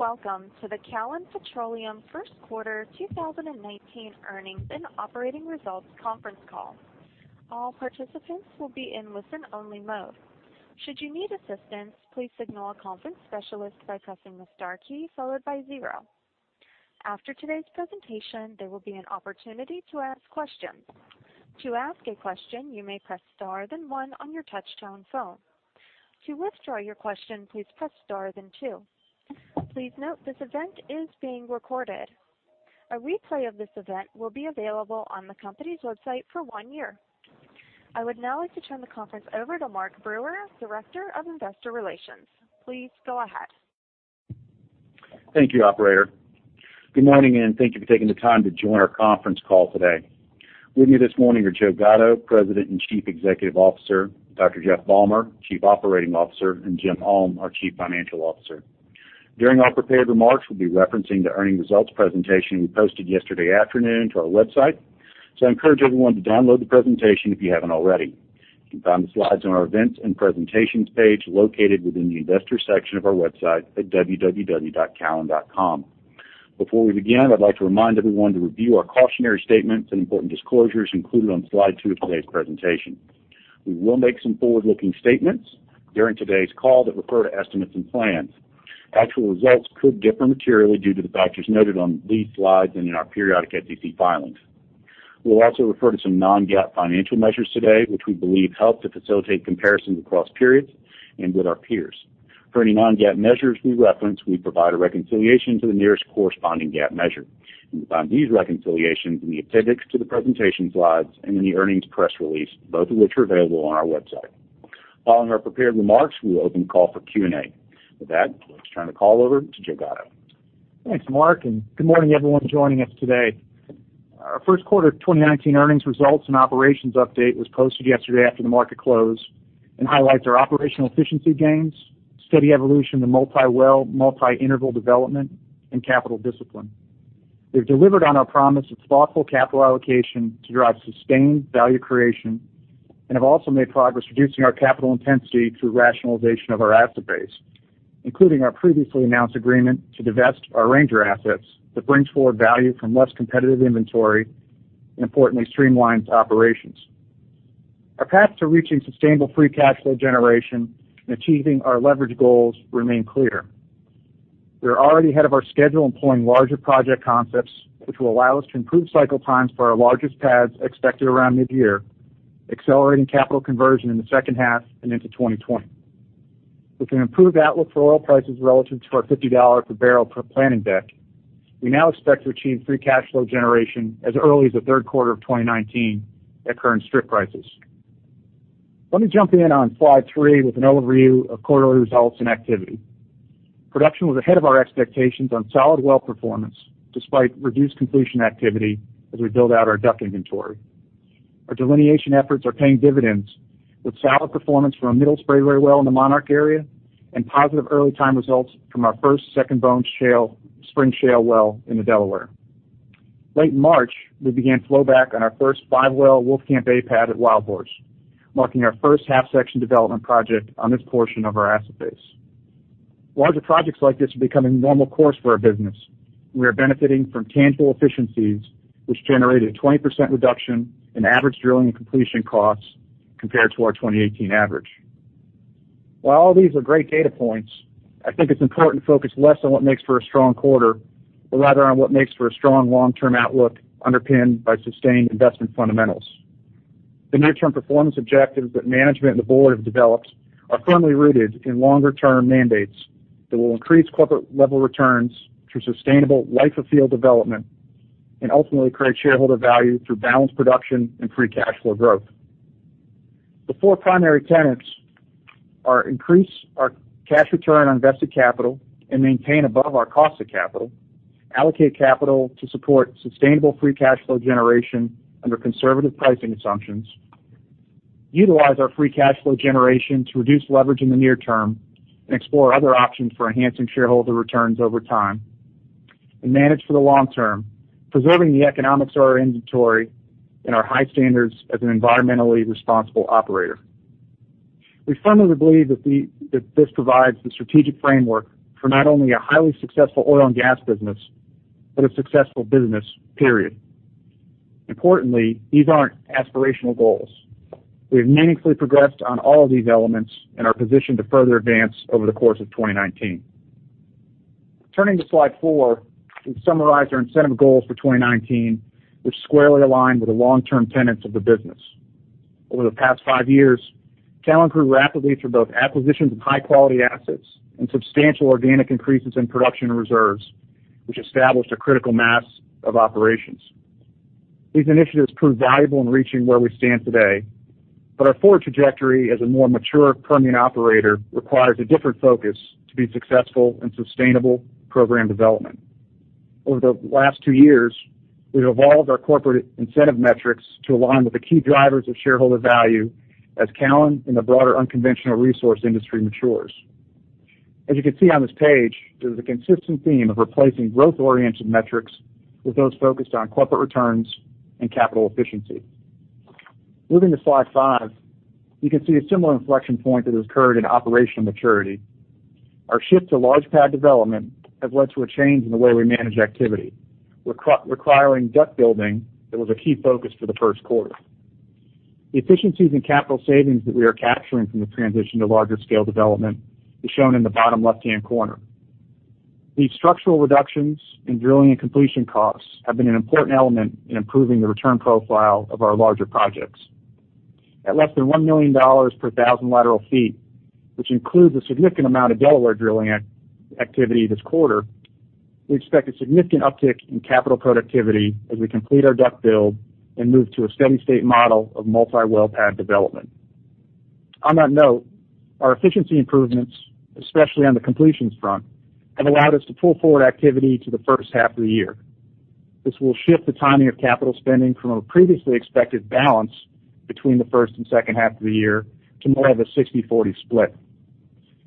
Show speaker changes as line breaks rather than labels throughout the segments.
Welcome to the Callon Petroleum first quarter 2019 earnings and operating results conference call. All participants will be in listen-only mode. Should you need assistance, please signal a conference specialist by pressing the star key followed by zero. After today's presentation, there will be an opportunity to ask questions. To ask a question, you may press star, then one on your touch-tone phone. To withdraw your question, please press star, then two. Please note, this event is being recorded. A replay of this event will be available on the company's website for one year. I would now like to turn the conference over to Mark Brewer, Director of Investor Relations. Please go ahead.
Thank you, operator. Good morning, and thank you for taking the time to join our conference call today. With me this morning are Joe Gatto, President and Chief Executive Officer, Dr. Jeff Balmer, Chief Operating Officer, and Jim Ulm, our Chief Financial Officer. During our prepared remarks, we'll be referencing the earning results presentation we posted yesterday afternoon to our website. I encourage everyone to download the presentation if you haven't already. You can find the slides on our Events and Presentations page, located within the investor section of our website at www.callon.com. Before we begin, I'd like to remind everyone to review our cautionary statements and important disclosures included on slide two of today's presentation. We will make some forward-looking statements during today's call that refer to estimates and plans. Actual results could differ materially due to the factors noted on these slides and in our periodic SEC filings. We'll also refer to some non-GAAP financial measures today, which we believe help to facilitate comparisons across periods and with our peers. For any non-GAAP measures we reference, we provide a reconciliation to the nearest corresponding GAAP measure. You can find these reconciliations in the appendix to the presentation slides and in the earnings press release, both of which are available on our website. Following our prepared remarks, we will open the call for Q&A. With that, let's turn the call over to Joe Gatto.
Thanks, Mark, and good morning everyone joining us today. Our first quarter 2019 earnings results and operations update was posted yesterday after the market closed and highlights our operational efficiency gains, steady evolution to multi-well, multi-interval development and capital discipline. We've delivered on our promise of thoughtful capital allocation to drive sustained value creation and have also made progress reducing our capital intensity through rationalization of our asset base, including our previously announced agreement to divest our Ranger assets that brings forward value from less competitive inventory, and importantly, streamlines operations. Our paths to reaching sustainable free cash flow generation and achieving our leverage goals remain clear. We are already ahead of our schedule employing larger project concepts, which will allow us to improve cycle times for our largest pads expected around mid-year, accelerating capital conversion in the second half and into 2020. With an improved outlook for oil prices relative to our $50 per barrel per planning deck, we now expect to achieve free cash flow generation as early as the third quarter of 2019 at current strip prices. Let me jump in on slide three with an overview of quarterly results and activity. Production was ahead of our expectations on solid well performance despite reduced completion activity as we build out our DUC inventory. Our delineation efforts are paying dividends with solid performance from a Middle Spraberry well in the Monarch area and positive early time results from our first Second Bone Spring Shale well in the Delaware. Late in March, we began flowback on our first five-well Wolfcamp A pad at WildHorse, marking our first half-section development project on this portion of our asset base. Larger projects like this are becoming normal course for our business. We are benefiting from tangible efficiencies, which generated a 20% reduction in average drilling and completion costs compared to our 2018 average. While all these are great data points, I think it's important to focus less on what makes for a strong quarter, but rather on what makes for a strong long-term outlook underpinned by sustained investment fundamentals. The near-term performance objectives that management and the board have developed are firmly rooted in longer-term mandates that will increase corporate-level returns through sustainable life of field development and ultimately create shareholder value through balanced production and free cash flow growth. The four primary tenets are increase our cash return on invested capital and maintain above our cost of capital. Allocate capital to support sustainable free cash flow generation under conservative pricing assumptions. Utilize our free cash flow generation to reduce leverage in the near term and explore other options for enhancing shareholder returns over time. Manage for the long term, preserving the economics of our inventory and our high standards as an environmentally responsible operator. We firmly believe that this provides the strategic framework for not only a highly successful oil and gas business, but a successful business, period. Importantly, these aren't aspirational goals. We have meaningfully progressed on all of these elements and are positioned to further advance over the course of 2019. Turning to slide four, we've summarized our incentive goals for 2019, which squarely align with the long-term tenets of the business. Over the past five years, Callon grew rapidly through both acquisitions of high-quality assets and substantial organic increases in production reserves, which established a critical mass of operations. These initiatives proved valuable in reaching where we stand today, but our forward trajectory as a more mature Permian operator requires a different focus to be successful in sustainable program development. Over the last two years, we've evolved our corporate incentive metrics to align with the key drivers of shareholder value as Callon and the broader unconventional resource industry matures. As you can see on this page, there's a consistent theme of replacing growth-oriented metrics with those focused on corporate returns and capital efficiency. Moving to slide five, you can see a similar inflection point that has occurred in operational maturity. Our shift to large pad development has led to a change in the way we manage activity. We're requiring DUC building that was a key focus for the first quarter. The efficiencies in capital savings that we are capturing from the transition to larger scale development is shown in the bottom left-hand corner. These structural reductions in drilling and completion costs have been an important element in improving the return profile of our larger projects. At less than $1 million per thousand lateral feet, which includes a significant amount of Delaware drilling activity this quarter, we expect a significant uptick in capital productivity as we complete our DUC build and move to a steady state model of multi-well pad development. On that note, our efficiency improvements, especially on the completions front, have allowed us to pull forward activity to the first half of the year. This will shift the timing of capital spending from a previously expected balance between the first and second half of the year to more of a 60/40 split.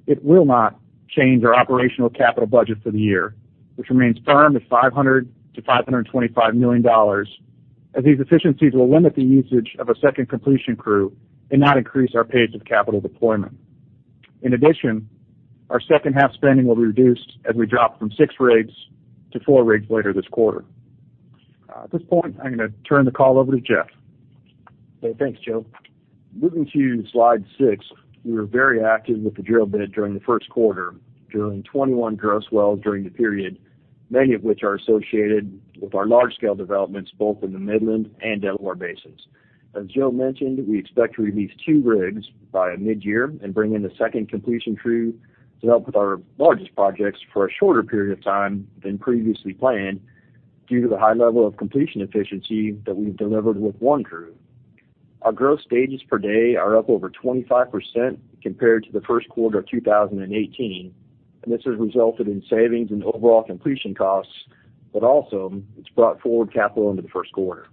It will not change our operational capital budget for the year, which remains firm to $500 million-$525 million, as these efficiencies will limit the usage of a second completion crew and not increase our pace of capital deployment. In addition, our second half spending will be reduced as we drop from six rigs to four rigs later this quarter. At this point, I'm going to turn the call over to Jeff.
Okay, thanks, Joe. Moving to slide six, we were very active with the drill bit during the first quarter, drilling 21 gross wells during the period, many of which are associated with our large-scale developments, both in the Midland and Delaware basins. As Joe mentioned, we expect to release two rigs by mid-year and bring in the second completion crew to help with our largest projects for a shorter period of time than previously planned due to the high level of completion efficiency that we've delivered with one crew. Our gross stages per day are up over 25% compared to the first quarter of 2018. This has resulted in savings in overall completion costs, also it's brought forward capital into the first quarter.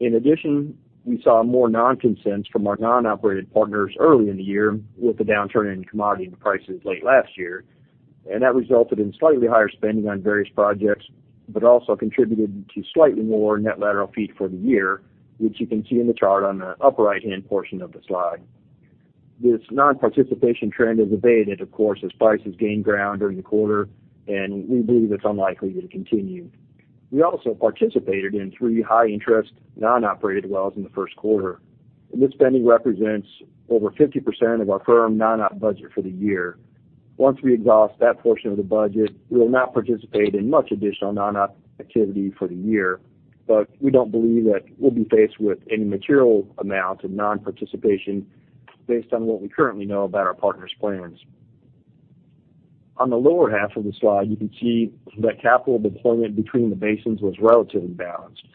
In addition, we saw more non-consents from our non-operated partners early in the year with the downturn in commodity prices late last year. That resulted in slightly higher spending on various projects, also contributed to slightly more net lateral feet for the year, which you can see in the chart on the upper right-hand portion of the slide. This non-participation trend has abated, of course, as prices gained ground during the quarter. We believe it's unlikely to continue. We also participated in three high-interest, non-operated wells in the first quarter. This spending represents over 50% of our firm non-op budget for the year. Once we exhaust that portion of the budget, we will not participate in much additional non-op activity for the year, but we don't believe that we'll be faced with any material amount of non-participation based on what we currently know about our partners' plans. On the lower half of the slide, you can see that capital deployment between the basins was relatively balanced.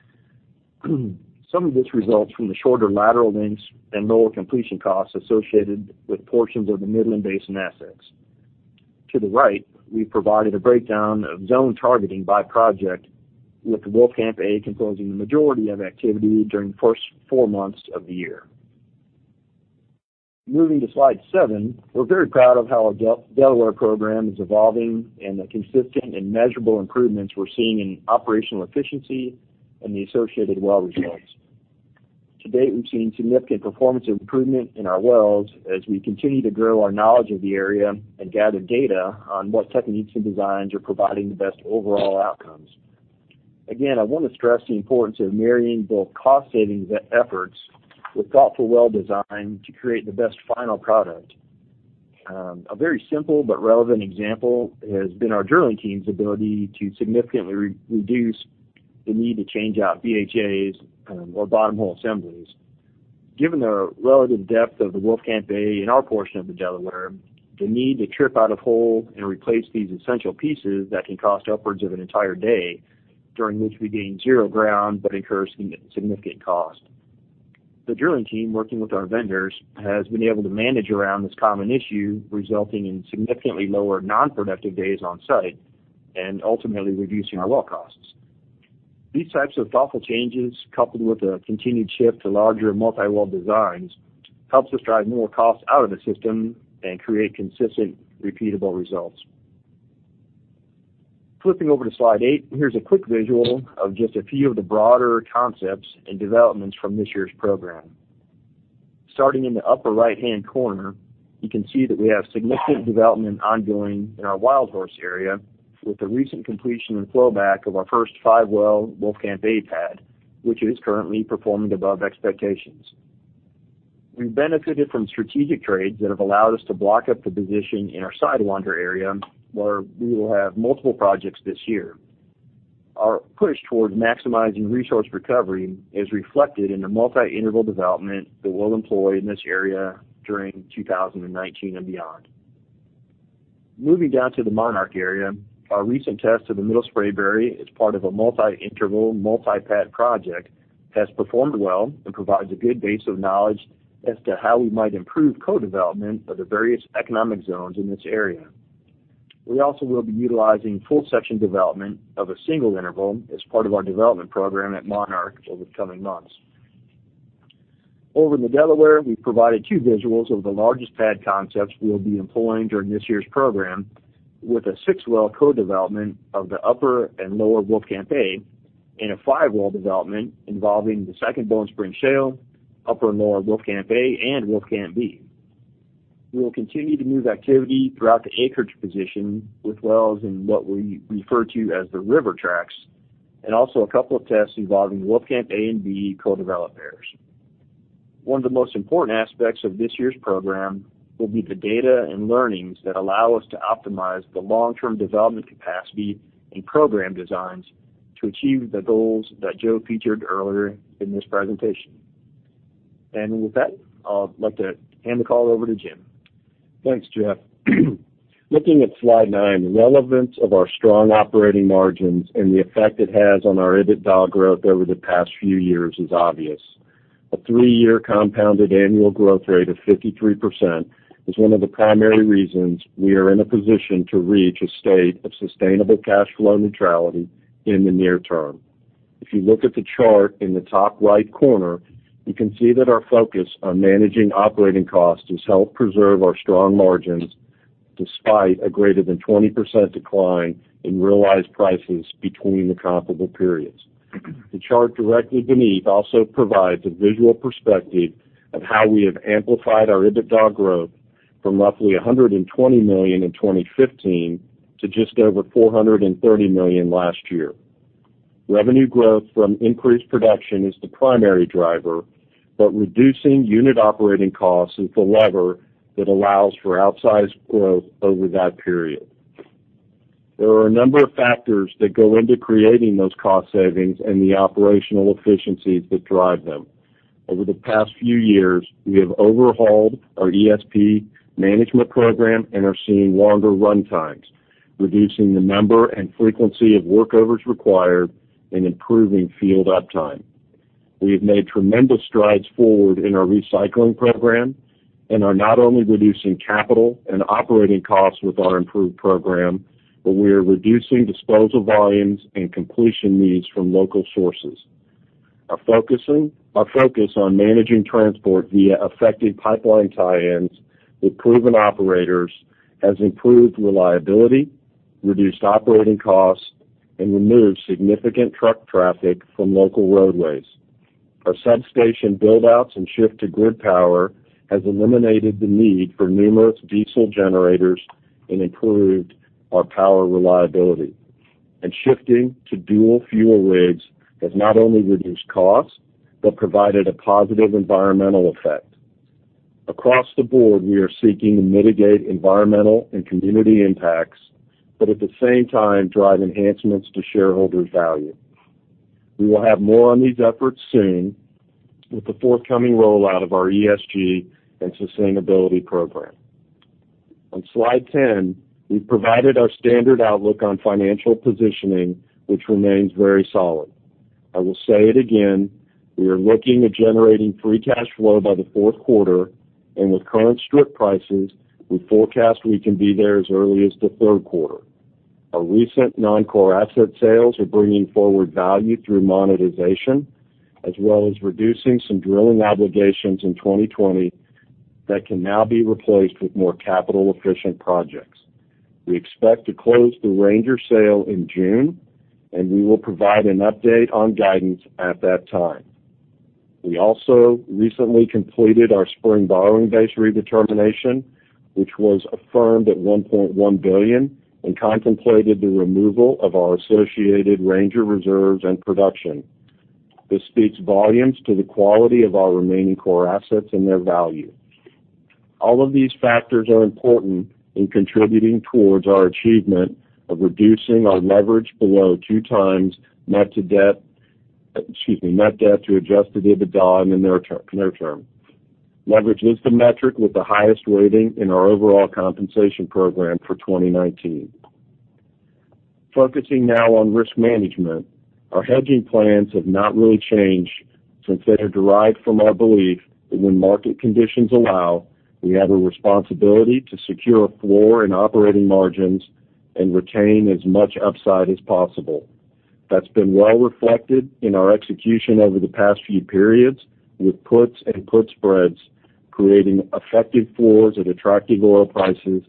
Some of this results from the shorter lateral lengths and lower completion costs associated with portions of the Midland Basin assets. To the right, we provided a breakdown of zone targeting by project, with the Wolfcamp A composing the majority of activity during the first four months of the year. Moving to slide seven, we're very proud of how our Delaware program is evolving and the consistent and measurable improvements we're seeing in operational efficiency and the associated well results. To date, we've seen significant performance improvement in our wells as we continue to grow our knowledge of the area and gather data on what techniques and designs are providing the best overall outcomes. I want to stress the importance of marrying both cost savings efforts with thoughtful well design to create the best final product. A very simple but relevant example has been our drilling team's ability to significantly reduce the need to change out BHA, or Bottom Hole Assemblies. Given the relative depth of the Wolfcamp A in our portion of the Delaware, the need to trip out of hole and replace these essential pieces that can cost upwards of an entire day, during which we gain zero ground but incur significant cost. The drilling team, working with our vendors, has been able to manage around this common issue, resulting in significantly lower non-productive days on site and ultimately reducing our well costs. These types of thoughtful changes, coupled with a continued shift to larger multi-well designs, helps us drive more costs out of the system and create consistent, repeatable results. Flipping over to slide eight, here's a quick visual of just a few of the broader concepts and developments from this year's program. Starting in the upper right-hand corner, you can see that we have significant development ongoing in our WildHorse area with the recent completion and flowback of our first 5-well Wolfcamp A pad, which is currently performing above expectations. We've benefited from strategic trades that have allowed us to block up the position in our Sidewinder area, where we will have multiple projects this year. Our push towards maximizing resource recovery is reflected in the multi-interval development that we'll employ in this area during 2019 and beyond. Moving down to the Monarch area, our recent test of the Middle Spraberry as part of a multi-interval, multi-pad project has performed well and provides a good base of knowledge as to how we might improve co-development of the various economic zones in this area. We also will be utilizing full section development of a single interval as part of our development program at Monarch over the coming months. Over in the Delaware, we've provided two visuals of the largest pad concepts we'll be employing during this year's program. With a 6-well co-development of the Upper and Lower Wolfcamp A, and a 5-well development involving the Second Bone Spring Shale, Upper and Lower Wolfcamp A and Wolfcamp B. We will continue to move activity throughout the acreage position with wells in what we refer to as the [river tracks], also a couple of tests involving Wolfcamp A and B co-development pairs. One of the most important aspects of this year's program will be the data and learnings that allow us to optimize the long-term development capacity and program designs to achieve the goals that Joe featured earlier in this presentation. With that, I'd like to hand the call over to Jim.
Thanks, Jeff. Looking at slide nine, the relevance of our strong operating margins and the effect it has on our EBITDA growth over the past few years is obvious. A three-year compounded annual growth rate of 53% is one of the primary reasons we are in a position to reach a state of sustainable cash flow neutrality in the near term. If you look at the chart in the top right corner, you can see that our focus on managing operating costs has helped preserve our strong margins despite a greater than 20% decline in realized prices between the comparable periods. The chart directly beneath also provides a visual perspective of how we have amplified our EBITDA growth from roughly $120 million in 2015 to just over $430 million last year. Revenue growth from increased production is the primary driver, reducing unit operating costs is the lever that allows for outsized growth over that period. There are a number of factors that go into creating those cost savings and the operational efficiencies that drive them. Over the past few years, we have overhauled our ESP management program and are seeing longer run times, reducing the number and frequency of workovers required and improving field uptime. We have made tremendous strides forward in our recycling program and are not only reducing capital and operating costs with our improved program, but we are reducing disposal volumes and completion needs from local sources. Our focus on managing transport via effective pipeline tie-ins with proven operators has improved reliability, reduced operating costs, and removed significant truck traffic from local roadways. Our substation build-outs and shift to grid power has eliminated the need for numerous diesel generators and improved our power reliability. Shifting to dual-fuel rigs has not only reduced costs but provided a positive environmental effect. Across the board, we are seeking to mitigate environmental and community impacts, but at the same time drive enhancements to shareholder value. We will have more on these efforts soon with the forthcoming rollout of our ESG and sustainability program. On Slide 10, we've provided our standard outlook on financial positioning, which remains very solid. I will say it again, we are looking at generating free cash flow by the fourth quarter, and with current strip prices, we forecast we can be there as early as the third quarter. Our recent non-core asset sales are bringing forward value through monetization, as well as reducing some drilling obligations in 2020 that can now be replaced with more capital-efficient projects. We expect to close the Ranger sale in June, and we will provide an update on guidance at that time. We also recently completed our spring borrowing base redetermination, which was affirmed at $1.1 billion and contemplated the removal of our associated Ranger reserves and production. This speaks volumes to the quality of our remaining core assets and their value. All of these factors are important in contributing towards our achievement of reducing our leverage below 2x net debt to adjusted EBITDA in the near term. Leverage is the metric with the highest weighting in our overall compensation program for 2019. Focusing now on risk management, our hedging plans have not really changed since they are derived from our belief that when market conditions allow, we have a responsibility to secure a floor in operating margins and retain as much upside as possible. That's been well reflected in our execution over the past few periods, with puts and put spreads creating effective floors at attractive oil prices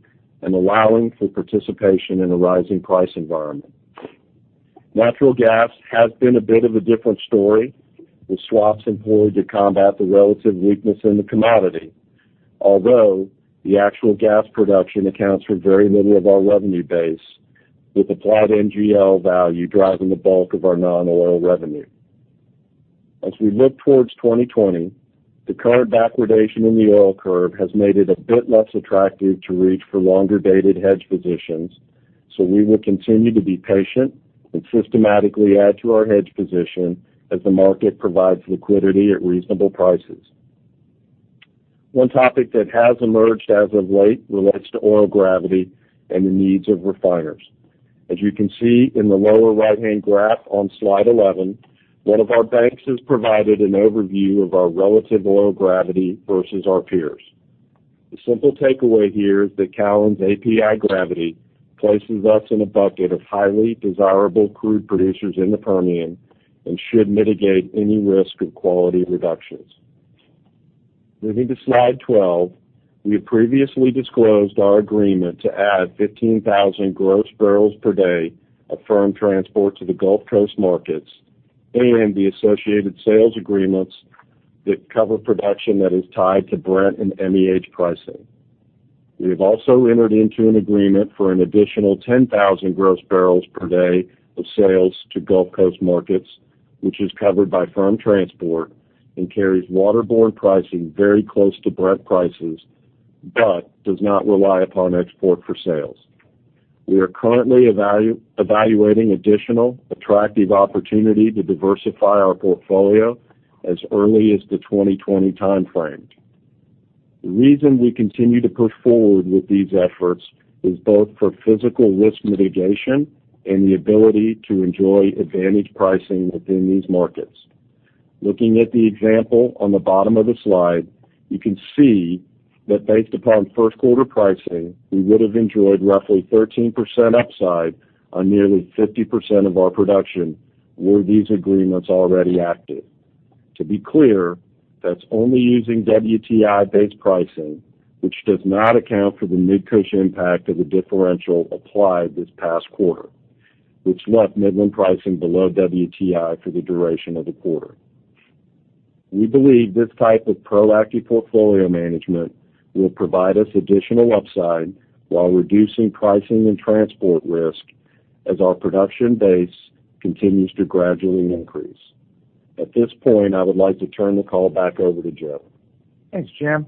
and allowing for participation in a rising price environment. Natural gas has been a bit of a different story, with swaps employed to combat the relative weakness in the commodity. Although the actual gas production accounts for very little of our revenue base, with applied NGL value driving the bulk of our non-oil revenue. As we look towards 2020, the current backwardation in the oil curve has made it a bit less attractive to reach for longer-dated hedge positions, we will continue to be patient and systematically add to our hedge position as the market provides liquidity at reasonable prices. One topic that has emerged as of late relates to oil gravity and the needs of refiners. As you can see in the lower right-hand graph on Slide 11, one of our banks has provided an overview of our relative oil gravity versus our peers. The simple takeaway here is that Callon's API gravity places us in a bucket of highly desirable crude producers in the Permian and should mitigate any risk of quality reductions. Moving to slide 12, we have previously disclosed our agreement to add 15,000 gross barrels per day of firm transport to the Gulf Coast markets and the associated sales agreements that cover production that is tied to Brent and MEH pricing. We have also entered into an agreement for an additional 10,000 gross barrels per day of sales to Gulf Coast markets, which is covered by firm transport and carries waterborne pricing very close to Brent prices, but does not rely upon export for sales. We are currently evaluating additional attractive opportunity to diversify our portfolio as early as the 2020 timeframe. The reason we continue to push forward with these efforts is both for physical risk mitigation and the ability to enjoy advantage pricing within these markets. Looking at the example on the bottom of the slide, you can see that based upon first quarter pricing, we would have enjoyed roughly 13% upside on nearly 50% of our production were these agreements already active. To be clear, that's only using WTI-based pricing, which does not account for the Midland-Cushing impact of the differential applied this past quarter, which left Midland pricing below WTI for the duration of the quarter. We believe this type of proactive portfolio management will provide us additional upside while reducing pricing and transport risk as our production base continues to gradually increase. At this point, I would like to turn the call back over to Joe.
Thanks, Jim.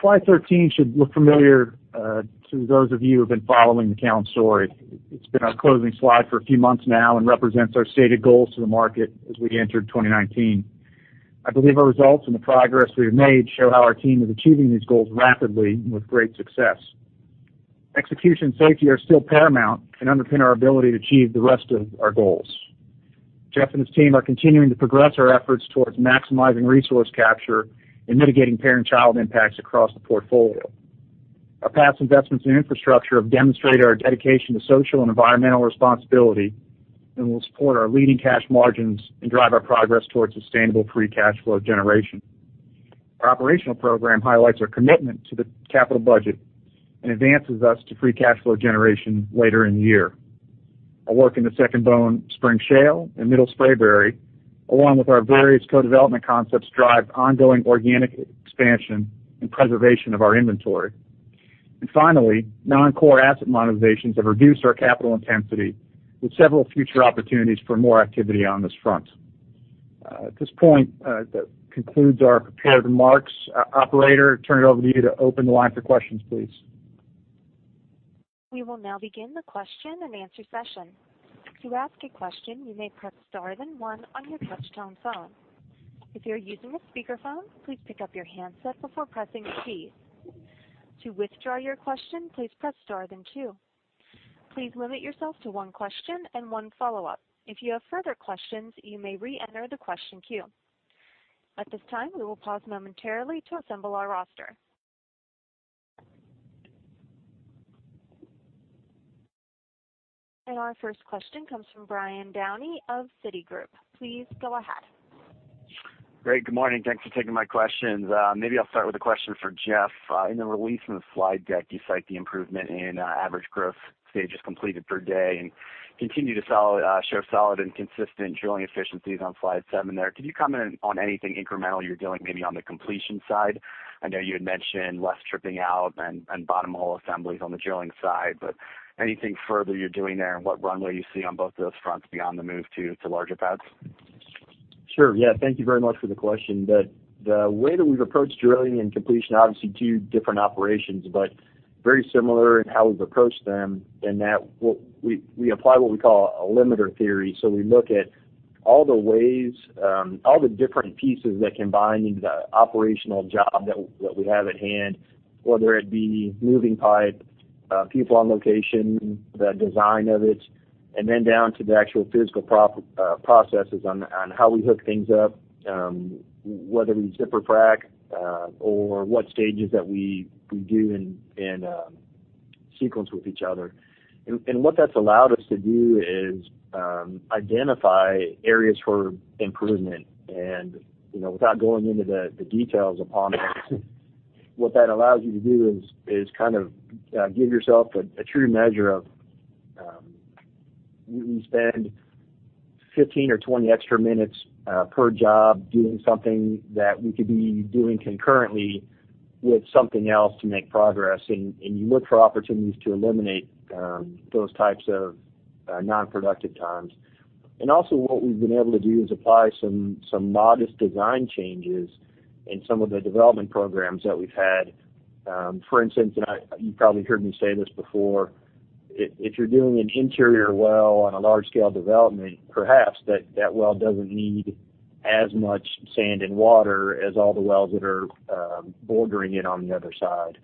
Slide 13 should look familiar to those of you who've been following Callon's story. It's been our closing slide for a few months now and represents our stated goals to the market as we entered 2019. I believe our results and the progress we have made show how our team is achieving these goals rapidly and with great success. Execution safety are still paramount and underpin our ability to achieve the rest of our goals. Jeff and his team are continuing to progress our efforts towards maximizing resource capture and mitigating parent-child impacts across the portfolio. Our past investments in infrastructure have demonstrated our dedication to social and environmental responsibility and will support our leading cash margins and drive our progress towards sustainable free cash flow generation. Our operational program highlights our commitment to the capital budget and advances us to free cash flow generation later in the year. Our work in the Second Bone Spring Shale and Middle Spraberry, along with our various co-development concepts, drive ongoing organic expansion and preservation of our inventory. Finally, non-core asset monetizations have reduced our capital intensity, with several future opportunities for more activity on this front. At this point, that concludes our prepared remarks. Operator, turn it over to you to open the line for questions, please.
We will now begin the question-and-answer session. To ask a question, you may press star then one on your touchtone phone. If you're using a speakerphone, please pick up your handset before pressing a key. To withdraw your question, please press star then two. Please limit yourself to one question and one follow-up. If you have further questions, you may re-enter the question queue. At this time, we will pause momentarily to assemble our roster. Our first question comes from Brian Downey of Citigroup. Please go ahead.
Great. Good morning. Thanks for taking my questions. Maybe I'll start with a question for Jeff. In the release from the slide deck, you cite the improvement in average gross stages completed per day and continue to show solid and consistent drilling efficiencies on slide seven there. Could you comment on anything incremental you're doing maybe on the completion side? I know you had mentioned less tripping out and Bottom Hole Assemblies on the drilling side, but anything further you're doing there and what runway you see on both of those fronts beyond the move to larger pads?
Sure. Yeah. Thank you very much for the question. The way that we've approached drilling and completion, obviously two different operations, but very similar in how we've approached them in that we apply what we call a limiter theory. We look at all the different pieces that combine into the operational job that we have at hand, whether it be moving pipe, people on location, the design of it, and then down to the actual physical processes on how we hook things up, whether we Zipper Frac or what stages that we do in sequence with each other. What that's allowed us to do is identify areas for improvement. Without going into the details upon that, what that allows you to do is give yourself a true measure of, we spend 15 or 20 extra minutes per job doing something that we could be doing concurrently with something else to make progress, and you look for opportunities to eliminate those types of non-productive times. Also what we've been able to do is apply some modest design changes in some of the development programs that we've had. For instance, and you probably heard me say this before, if you're doing an interior well on a large-scale development, perhaps that well doesn't need as much sand and water as all the wells that are bordering it on the other side.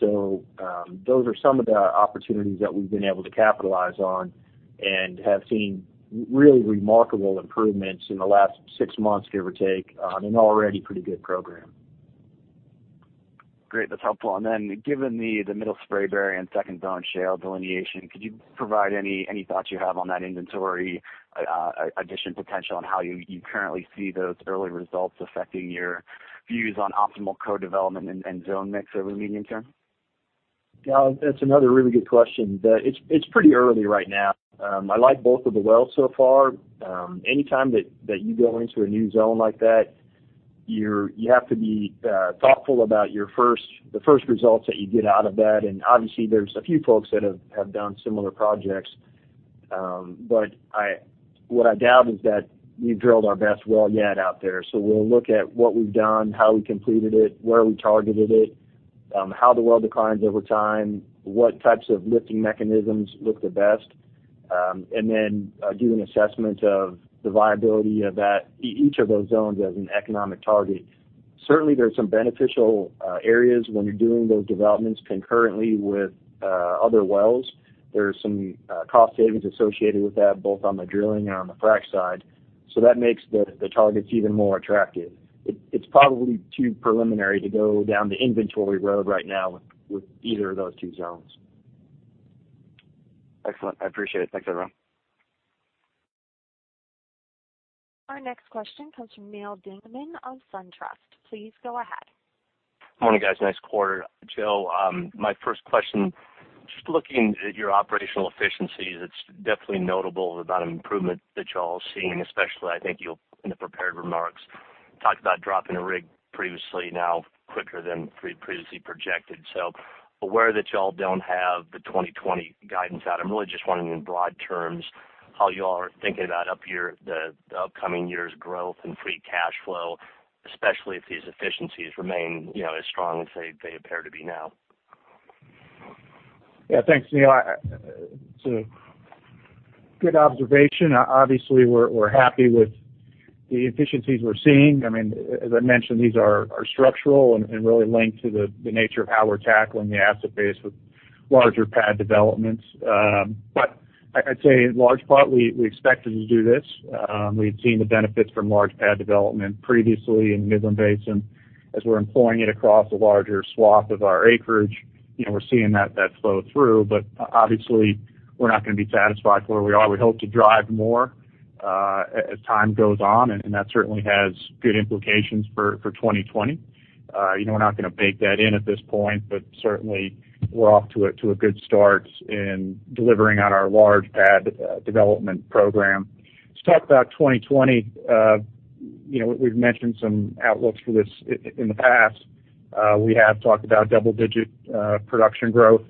Those are some of the opportunities that we've been able to capitalize on and have seen really remarkable improvements in the last six months, give or take, on an already pretty good program.
Great. That's helpful. Then, given the Middle Spraberry and Second Bone Spring Shale delineation, could you provide any thoughts you have on that inventory, addition potential, and how you currently see those early results affecting your views on optimal co-development and zone mix over medium term?
Yeah, that's another really good question. It's pretty early right now. I like both of the wells so far. Any time that you go into a new zone like that, you have to be thoughtful about the first results that you get out of that. Obviously, there's a few folks that have done similar projects. What I doubt is that we've drilled our best well yet out there. We'll look at what we've done, how we completed it, where we targeted it, how the well declines over time, what types of lifting mechanisms look the best, then do an assessment of the viability of each of those zones as an economic target. Certainly, there are some beneficial areas when you're doing those developments concurrently with other wells. There are some cost savings associated with that, both on the drilling and on the frack side. That makes the targets even more attractive. It's probably too preliminary to go down the inventory road right now with either of those two zones.
Excellent. I appreciate it. Thanks, everyone.
Our next question comes from Neal Dingmann of SunTrust. Please go ahead.
Morning, guys. Nice quarter. Joe, my first question, just looking at your operational efficiencies, it is definitely notable about an improvement that you all are seeing, especially, I think you, in the prepared remarks, talked about dropping a rig previously, now quicker than previously projected. Aware that you all do not have the 2020 guidance out, I am really just wondering in broad terms how you all are thinking about the upcoming year's growth and free cash flow, especially if these efficiencies remain as strong as they appear to be now.
Yeah, thanks, Neal. It is a good observation. Obviously, we are happy with the efficiencies we are seeing. As I mentioned, these are structural and really linked to the nature of how we are tackling the asset base with larger pad developments. I would say in large part, we expected to do this. We had seen the benefits from large pad development previously in the Midland Basin. As we are employing it across a larger swath of our acreage, we are seeing that flow through. Obviously, we are not going to be satisfied where we are. We hope to drive more as time goes on, and that certainly has good implications for 2020. We are not going to bake that in at this point, but certainly we are off to a good start in delivering on our large pad development program. Let us talk about 2020. We have mentioned some outlooks for this in the past. We have talked about double-digit production growth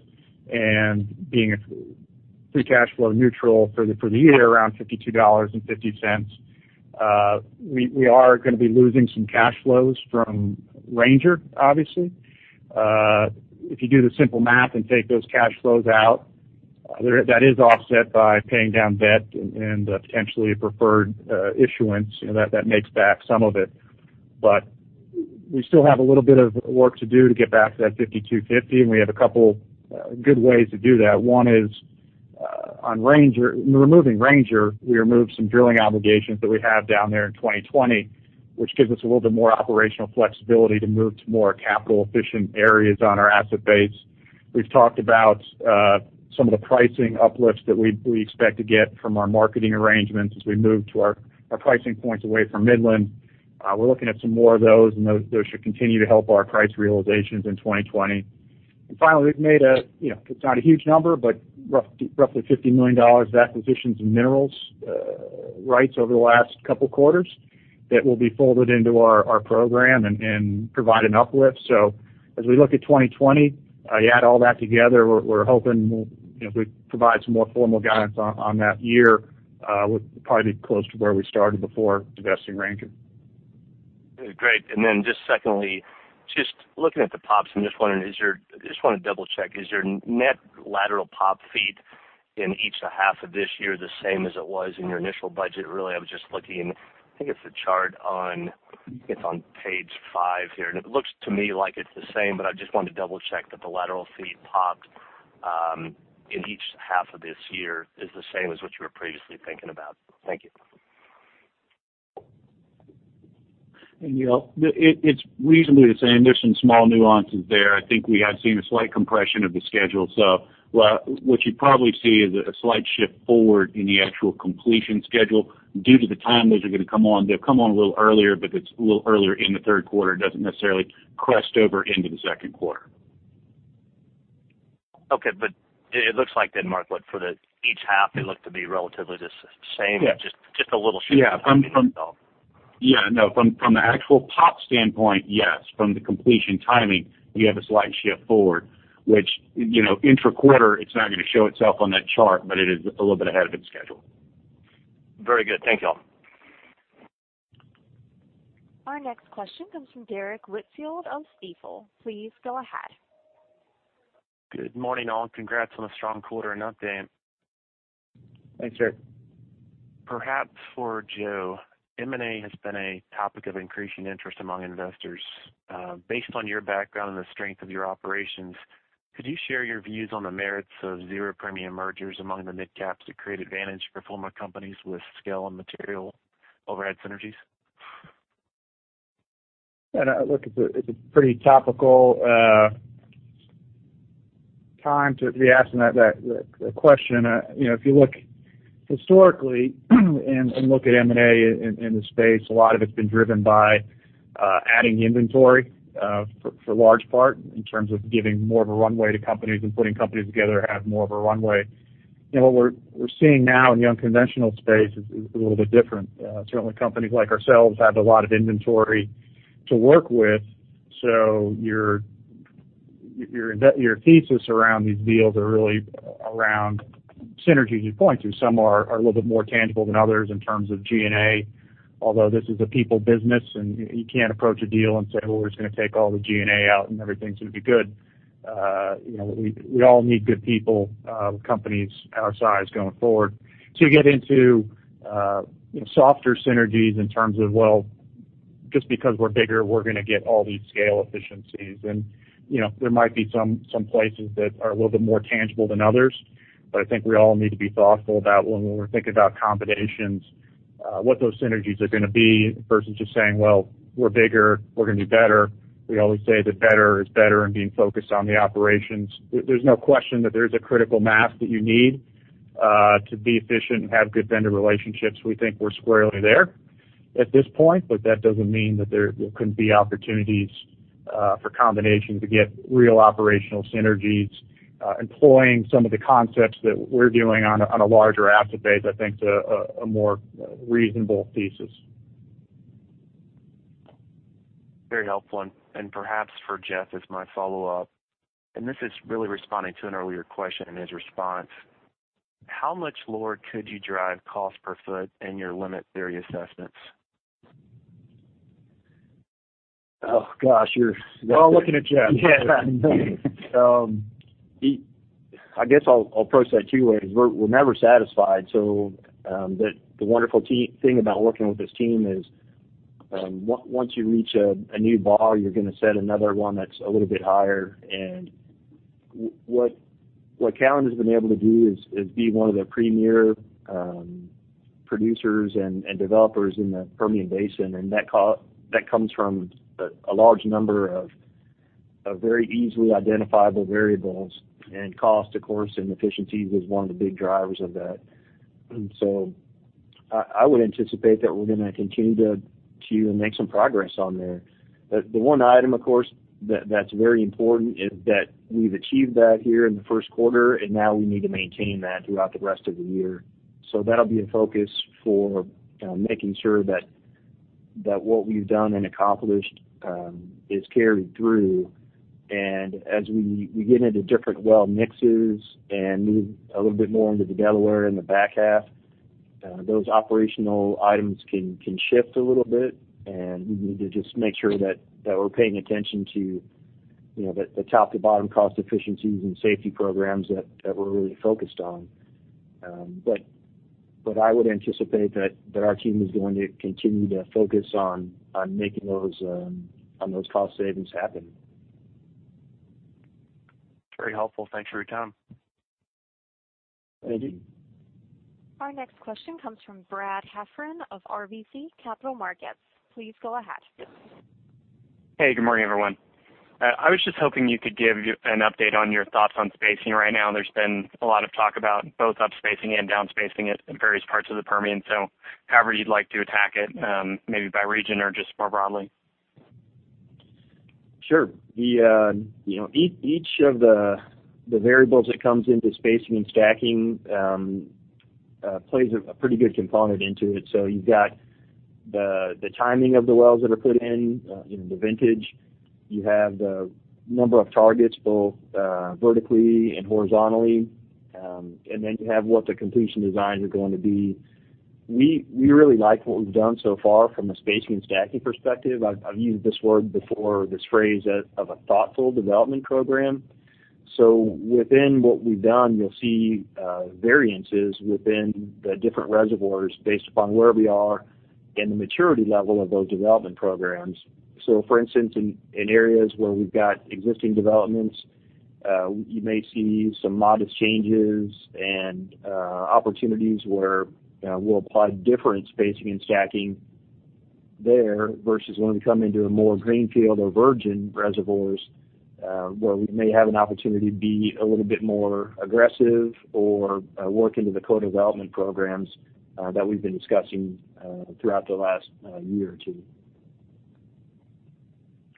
and being free cash flow neutral for the year around $52.50. We are going to be losing some cash flows from Ranger, obviously. If you do the simple math and take those cash flows out, that is offset by paying down debt and potentially a preferred issuance. That makes back some of it. We still have a little bit of work to do to get back to that $52.50, and we have a couple good ways to do that. One is on Ranger. In removing Ranger, we removed some drilling obligations that we have down there in 2020, which gives us a little bit more operational flexibility to move to more capital-efficient areas on our asset base. We've talked about some of the pricing uplifts that we expect to get from our marketing arrangements as we move our pricing points away from Midland. We're looking at some more of those should continue to help our price realizations in 2020. Finally, we've made a, it's not a huge number, but roughly $50 million of acquisitions in mineral rights over the last couple quarters that will be folded into our program and provide an uplift. As we look at 2020, you add all that together, we're hoping we provide some more formal guidance on that year. We'll probably be close to where we started before divesting Ranger.
Great. Then just secondly, just looking at the POPs, I'm just wondering, I just want to double-check, is your net lateral POP feet in each half of this year the same as it was in your initial budget? Really, I was just looking, I think it's the chart, I think it's on page five here, it looks to me like it's the same, but I just wanted to double-check that the lateral feet POPs in each half of this year is the same as what you were previously thinking about. Thank you.
Neal, it's reasonably the same. There's some small nuances there. I think we have seen a slight compression of the schedule. What you probably see is a slight shift forward in the actual completion schedule due to the time those are going to come on. They'll come on a little earlier, but it's a little earlier in the third quarter. It doesn't necessarily crest over into the second quarter.
Okay. It looks like then, Mark, like for each half, they look to be relatively the same.
Yeah. Just a little shift. Yeah. No, from the actual POP standpoint, yes. From the completion timing, you have a slight shift forward, which intra-quarter, it's not going to show itself on that chart, but it is a little bit ahead of its schedule.
Very good. Thank you all.
Our next question comes from Derrick Whitfield of Stifel. Please go ahead.
Good morning, all. Congrats on a strong quarter and update.
Thanks, Derrick.
Perhaps for Joe, M&A has been a topic of increasing interest among investors. Based on your background and the strength of your operations Could you share your views on the merits of zero premium mergers among the mid-caps to create advantage for former companies with scale and material overhead synergies?
Look, it's a pretty topical time to be asking that question. If you look historically and look at M&A in the space, a lot of it's been driven by adding inventory for large part, in terms of giving more of a runway to companies and putting companies together to have more of a runway. What we're seeing now in the unconventional space is a little bit different. Certainly, companies like ourselves have a lot of inventory to work with, your thesis around these deals are really around synergies. You point to some are a little bit more tangible than others in terms of G&A, although this is a people business, and you can't approach a deal and say, "Well, we're just going to take all the G&A out and everything's going to be good." We all need good people with companies our size going forward to get into softer synergies in terms of, well, just because we're bigger, we're going to get all these scale efficiencies. There might be some places that are a little bit more tangible than others, I think we all need to be thoughtful about when we're thinking about combinations what those synergies are going to be versus just saying, "Well, we're bigger. We're going to be better." We always say that better is better and being focused on the operations. There's no question that there's a critical mass that you need to be efficient and have good vendor relationships. We think we're squarely there at this point, that doesn't mean that there couldn't be opportunities for combination to get real operational synergies employing some of the concepts that we're doing on a larger asset base, I think, is a more reasonable thesis.
Very helpful. Perhaps for Jeff as my follow-up, this is really responding to an earlier question and his response, how much lower could you drive cost per foot in your limit theory assessments?
Oh, gosh, We're all looking at Jeff. Yeah. I guess I'll approach that two ways. We're never satisfied. The wonderful thing about working with this team is, once you reach a new bar, you're going to set another one that's a little bit higher. What Callon has been able to do is be one of the premier producers and developers in the Permian Basin, and that comes from a large number of very easily identifiable variables, and cost, of course, and efficiencies is one of the big drivers of that. I would anticipate that we're going to continue to make some progress on there. The one item, of course, that's very important is that we've achieved that here in the first quarter, and now we need to maintain that throughout the rest of the year. That'll be a focus for making sure that what we've done and accomplished is carried through. As we get into different well mixes and move a little bit more into the Delaware in the back half, those operational items can shift a little bit, and we need to just make sure that we're paying attention to the top to bottom cost efficiencies and safety programs that we're really focused on. I would anticipate that our team is going to continue to focus on making those cost savings happen.
Very helpful. Thanks for your time.
Thank you.
Our next question comes from Brad Heffern of RBC Capital Markets. Please go ahead.
Hey, good morning, everyone. I was just hoping you could give an update on your thoughts on spacing. Right now there's been a lot of talk about both up spacing and down spacing at various parts of the Permian, however you'd like to attack it, maybe by region or just more broadly.
Sure. Each of the variables that comes into spacing and stacking plays a pretty good component into it. You've got the timing of the wells that are put in, the vintage. You have the number of targets, both vertically and horizontally, then you have what the completion designs are going to be. We really like what we've done so far from a spacing and stacking perspective. I've used this word before, this phrase of a thoughtful development program. Within what we've done, you'll see variances within the different reservoirs based upon where we are and the maturity level of those development programs. For instance, in areas where we've got existing developments, you may see some modest changes and opportunities where we'll apply different spacing and stacking there versus when we come into a more greenfield or virgin reservoirs, where we may have an opportunity to be a little bit more aggressive or work into the co-development programs that we've been discussing throughout the last year or two.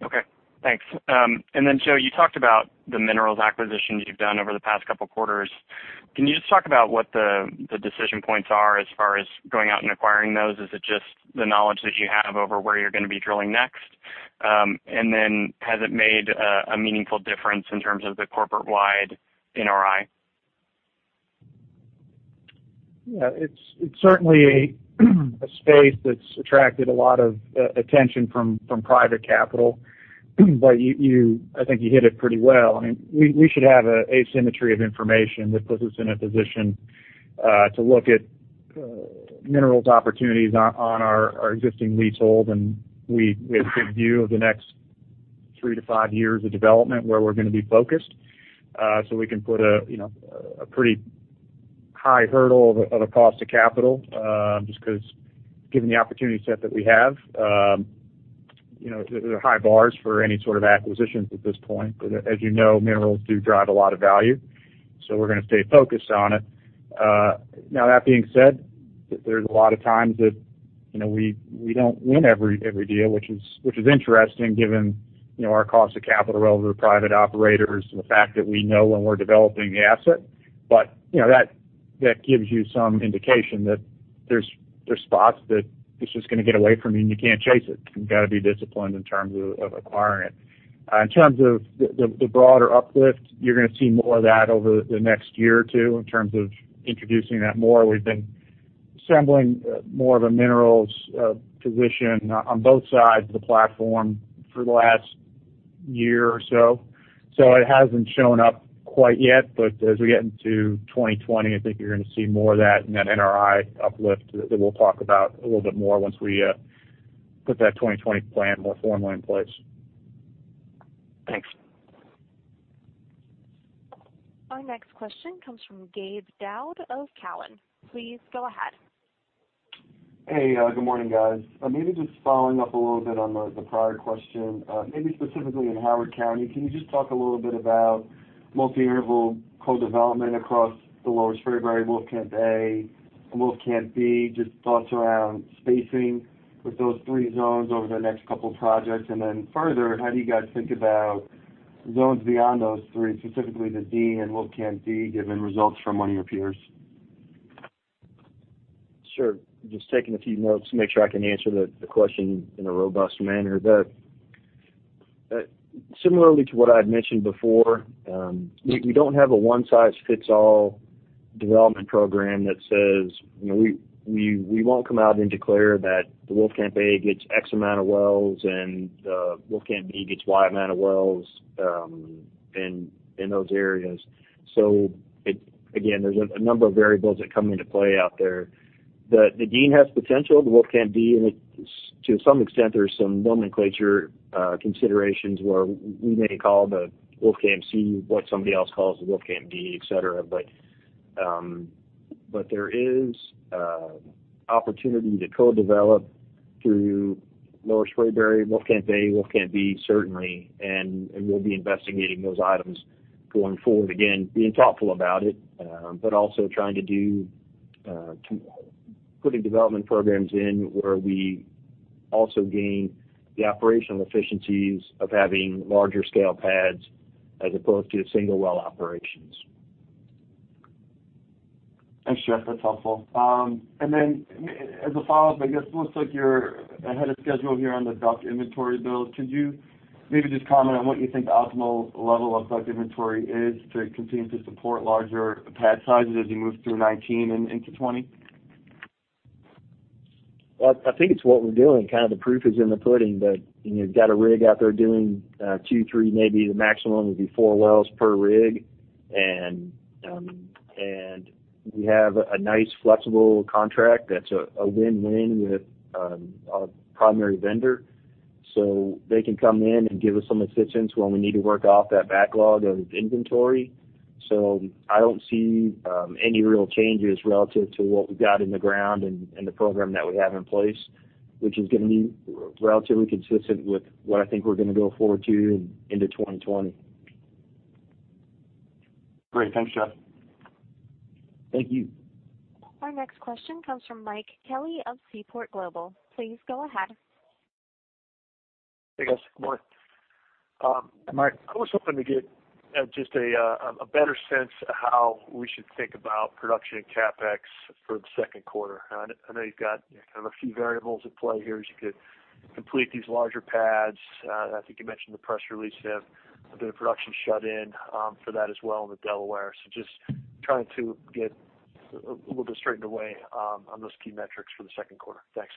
Okay, thanks. Joe, you talked about the minerals acquisitions you've done over the past 2 quarters. Can you just talk about what the decision points are as far as going out and acquiring those? Is it just the knowledge that you have over where you're going to be drilling next? Has it made a meaningful difference in terms of the corporate-wide NRI?
Yeah. It's certainly a space that's attracted a lot of attention from private capital. I think you hit it pretty well. We should have an asymmetry of information that puts us in a position to look at minerals opportunities on our existing leasehold, and we have good view of the next 3-5 years of development where we're going to be focused. We can put a pretty high hurdle of a cost of capital, just because given the opportunity set that we have, there are high bars for any sort of acquisitions at this point. As you know, minerals do drive a lot of value, we're going to stay focused on it. Now that being said, there's a lot of times that we don't win every deal, which is interesting given our cost of capital relative to private operators and the fact that we know when we're developing the asset. That gives you some indication that there's spots that it's just going to get away from you, and you can't chase it. You've got to be disciplined in terms of acquiring it. In terms of the broader uplift, you're going to see more of that over the next 1 or 2 years in terms of introducing that more. We've been assembling more of a minerals position on both sides of the platform for the last year or so. It hasn't shown up quite yet, as we get into 2020, I think you're going to see more of that and that NRI uplift that we'll talk about a little bit more once we put that 2020 plan more formally in place.
Thanks.
Our next question comes from Gabe Daoud of Cowen. Please go ahead.
Hey, good morning, guys. Maybe just following up a little bit on the prior question, maybe specifically in Howard County. Can you just talk a little bit about multi-interval co-development across the Lower Spraberry, Wolfcamp A, and Wolfcamp B, just thoughts around spacing with those three zones over the next couple of projects. Then further, how do you guys think about zones beyond those three, specifically the D and Wolfcamp D, given results from one of your peers?
Sure. Just taking a few notes to make sure I can answer the question in a robust manner. Similarly to what I had mentioned before, we don't have a one size fits all development program that says we won't come out and declare that the Wolfcamp A gets X amount of wells and the Wolfcamp B gets Y amount of wells in those areas. Again, there's a number of variables that come into play out there. The D has potential, the Wolfcamp D, and to some extent, there's some nomenclature considerations where we may call the Wolfcamp C what somebody else calls the Wolfcamp D, et cetera. There is opportunity to co-develop through Lower Spraberry, Wolfcamp A, Wolfcamp B, certainly, and we'll be investigating those items going forward. Again, being thoughtful about it, but also trying to do putting development programs in where we also gain the operational efficiencies of having larger scale pads as opposed to single well operations.
Thanks, Jeff. That's helpful. As a follow-up, I guess it looks like you're ahead of schedule here on the DUC inventory build. Could you maybe just comment on what you think the optimal level of DUC inventory is to continue to support larger pad sizes as you move through 2019 and into 2020?
Well, I think it's what we're doing. The proof is in the pudding, you've got a rig out there doing two, three, maybe the maximum would be four wells per rig. We have a nice flexible contract that's a win-win with our primary vendor. They can come in and give us some assistance when we need to work off that backlog of inventory. I don't see any real changes relative to what we've got in the ground and the program that we have in place, which is going to be relatively consistent with what I think we're going to go forward to into 2020.
Great. Thanks, Jeff.
Thank you.
Our next question comes from Mike Kelly of Seaport Global. Please go ahead.
Hey, guys. Good morning.
Mike. I was hoping to get just a better sense of how we should think about production and CapEx for the second quarter. I know you've got a few variables at play here as you complete these larger pads. I think you mentioned the press release, a bit of production shut in for that as well in the Delaware. Just trying to get a little bit straightened away on those key metrics for the second quarter. Thanks.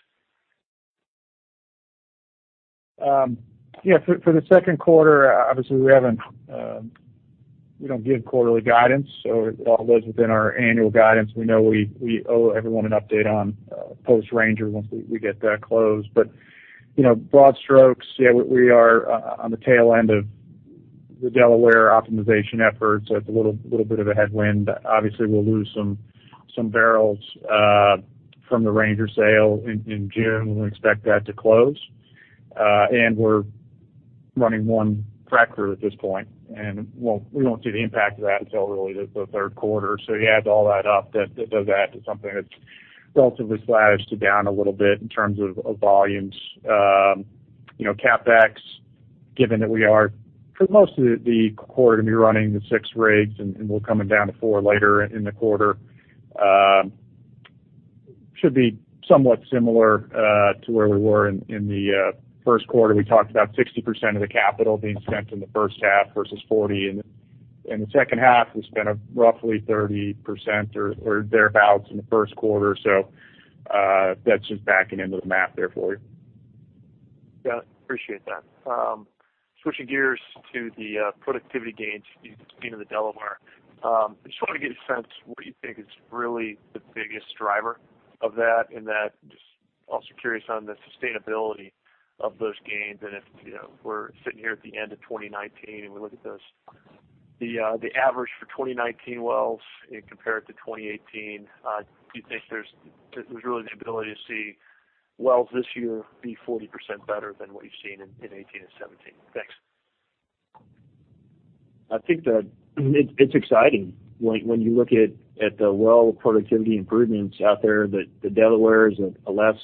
Yeah. For the second quarter, obviously we don't give quarterly guidance, it all lives within our annual guidance. We know we owe everyone an update on post-Ranger once we get that closed. Broad strokes, yeah, we are on the tail end of the Delaware optimization efforts at the little bit of a headwind. Obviously, we'll lose some barrels from the Ranger sale in June. We expect that to close. We're running one fracker at this point, we won't see the impact of that until really the third quarter. You add all that up, that does add to something that's relatively flattish to down a little bit in terms of volumes. CapEx, given that we are for most of the quarter going to be running the six rigs and we're coming down to four later in the quarter, should be somewhat similar to where we were in the first quarter. We talked about 60% of the capital being spent in the first half versus 40% in the second half. We spent roughly 30% or thereabouts in the first quarter. That's just backing into the math there for you.
Yeah, appreciate that. Switching gears to the productivity gains in the Delaware. I just want to get a sense what you think is really the biggest driver of that, and just also curious on the sustainability of those gains and if we're sitting here at the end of 2019 and we look at the average for 2019 wells and compare it to 2018, do you think there's really the ability to see wells this year be 40% better than what you've seen in 2018 and 2017? Thanks.
I think that it's exciting when you look at the well productivity improvements out there, that the Delaware is a less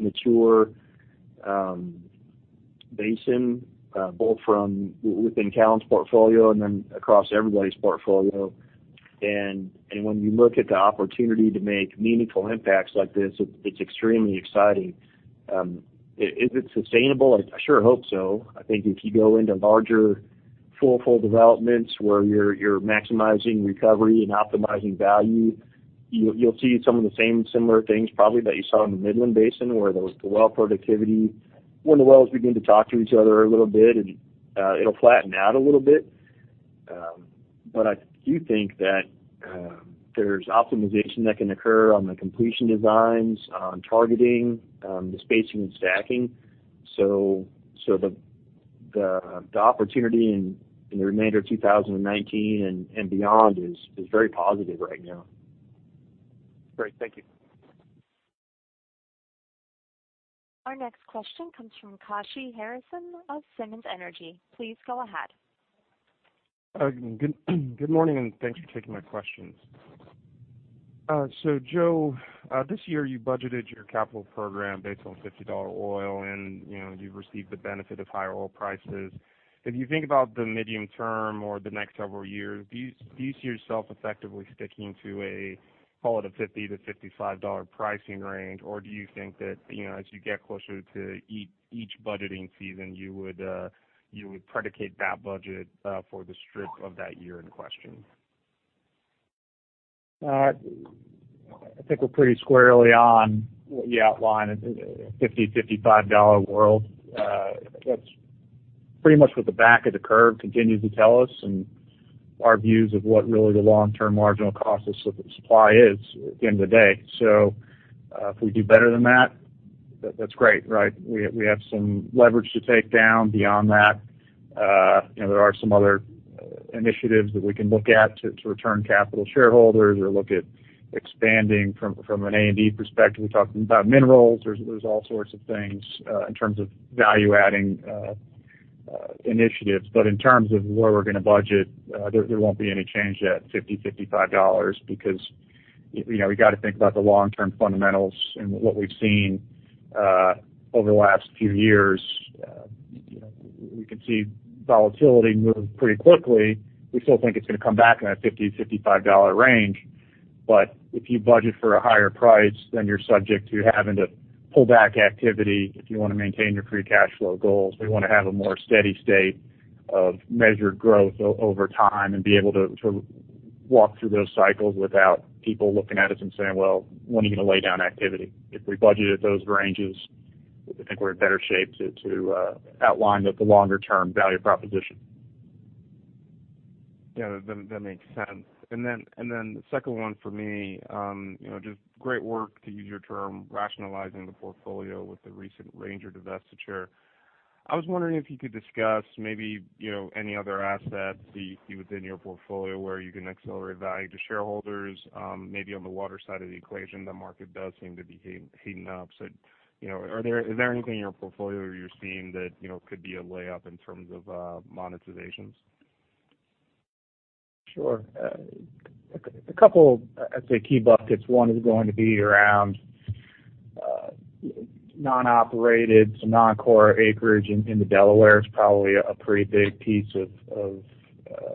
mature basin both from within Callon's portfolio and then across everybody's portfolio. When you look at the opportunity to make meaningful impacts like this, it's extremely exciting. Is it sustainable? I sure hope so. I think if you go into larger four-fold developments where you're maximizing recovery and optimizing value, you'll see some of the same similar things probably that you saw in the Midland Basin, where the well productivity, when the wells begin to talk to each other a little bit, it'll flatten out a little bit. I do think that there's optimization that can occur on the completion designs, on targeting, the spacing, and stacking. The opportunity in the remainder of 2019 and beyond is very positive right now.
Great. Thank you.
Our next question comes from Kashy Harrison of Simmons Energy. Please go ahead.
Good morning, thanks for taking my questions. Joe, this year you budgeted your capital program based on $50 oil, you've received the benefit of higher oil prices. If you think about the medium term or the next several years, do you see yourself effectively sticking to a, call it a $50-$55 pricing range, or do you think that, as you get closer to each budgeting season, you would predicate that budget for the strip of that year in question?
I think we're pretty squarely on what you outlined, a $50, $55 world. That's pretty much what the back of the curve continues to tell us and our views of what really the long-term marginal cost of supply is at the end of the day. If we do better than that's great, right? We have some leverage to take down beyond that. There are some other initiatives that we can look at to return capital to shareholders or look at expanding from an A&D perspective. We talked about minerals. There's all sorts of things in terms of value-adding initiatives. In terms of where we're going to budget, there won't be any change at $50, $55 because we've got to think about the long-term fundamentals and what we've seen over the last few years. We can see volatility move pretty quickly. We still think it's going to come back in that $50-$55 range. If you budget for a higher price, then you're subject to having to pull back activity if you want to maintain your free cash flow goals. We want to have a more steady state of measured growth over time and be able to walk through those cycles without people looking at us and saying, "Well, when are you going to lay down activity?" If we budget at those ranges, I think we're in better shape to outline the longer-term value proposition.
That makes sense. The second one for me, just great work, to use your term, rationalizing the portfolio with the recent Ranger divestiture. I was wondering if you could discuss maybe any other assets within your portfolio where you can accelerate value to shareholders. Maybe on the water side of the equation, the market does seem to be heating up. Is there anything in your portfolio you're seeing that could be a layup in terms of monetizations?
Sure. A couple, I'd say, key buckets. One is going to be around non-operated, some non-core acreage in the Delaware is probably a pretty big piece of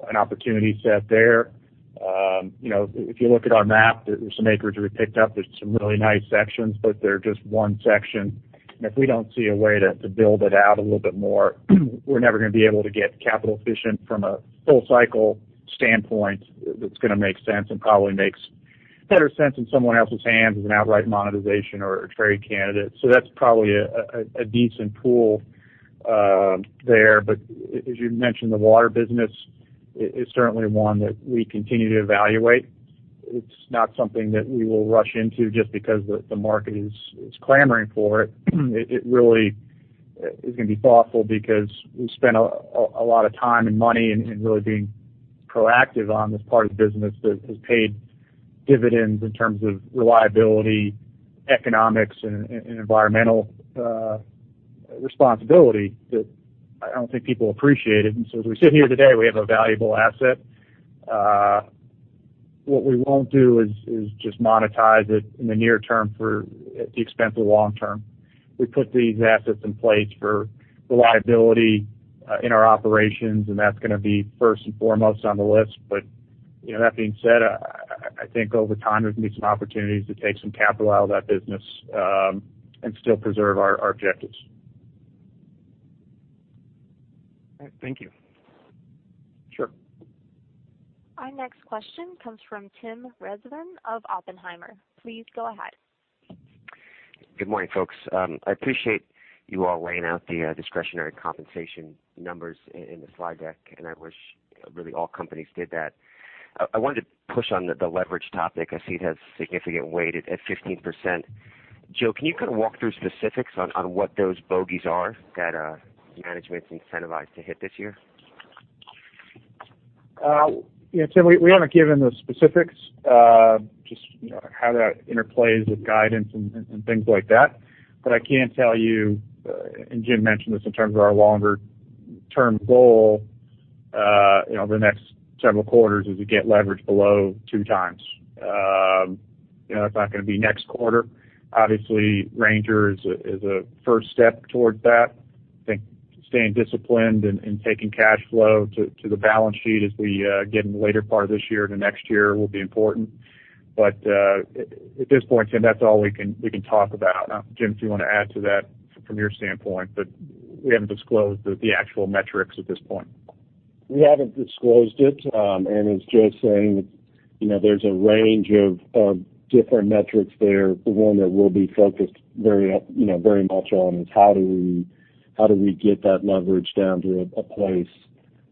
an opportunity set there. If you look at our map, there's some acreage we picked up. There's some really nice sections, but they're just one section, and if we don't see a way to build it out a little bit more, we're never going to be able to get capital efficient from a full cycle standpoint that's going to make sense and probably makes better sense in someone else's hands as an outright monetization or a trade candidate. That's probably a decent pool there. As you mentioned, the water business is certainly one that we continue to evaluate. It's not something that we will rush into just because the market is clamoring for it. It really is going to be thoughtful because we spent a lot of time and money in really being proactive on this part of the business that has paid dividends in terms of reliability, economics, and environmental responsibility that I don't think people appreciate it. As we sit here today, we have a valuable asset. What we won't do is just monetize it in the near term at the expense of the long term. We put these assets in place for reliability in our operations, and that's going to be first and foremost on the list. That being said, I think over time, there's going to be some opportunities to take some capital out of that business and still preserve our objectives.
All right. Thank you.
Sure.
Our next question comes from Tim Rezvan of Oppenheimer. Please go ahead.
Good morning, folks. I appreciate you all laying out the discretionary compensation numbers in the slide deck. I wish really all companies did that. I wanted to push on the leverage topic. I see it has significant weight at 15%. Joe, can you kind of walk through specifics on what those bogeys are that management's incentivized to hit this year?
Yeah, Tim, we haven't given the specifics, just how that interplays with guidance and things like that. I can tell you, Jim mentioned this in terms of our longer-term goal, the next several quarters is to get leverage below two times. It's not going to be next quarter. Obviously, Ranger is a first step towards that. I think staying disciplined and taking cash flow to the balance sheet as we get in the later part of this year into next year will be important. At this point, Tim, that's all we can talk about. Jim, if you want to add to that from your standpoint, we haven't disclosed the actual metrics at this point.
We haven't disclosed it. As Joe was saying, there's a range of different metrics there. The one that we'll be focused very much on is how do we get that leverage down to a place